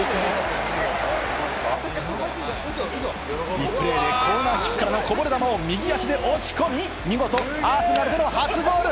リプレーでコーナーキックからのこぼれ球を右足で押し込み、見事アーセナル初ゴール。